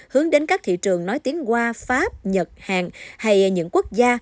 hướng đến các thị trường nói tiếng qua pháp nhật hàn hay những quốc gia